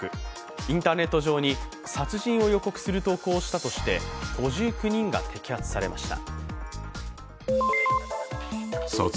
インターネット上に殺人を予告する投稿をしたとして５９人が摘発されました。